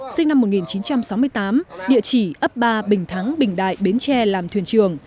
sinh năm một nghìn chín trăm sáu mươi tám địa chỉ ấp ba bình thắng bình đại bến tre làm thuyền trường